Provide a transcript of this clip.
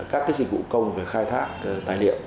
các dịch vụ công về khai thác tài liệu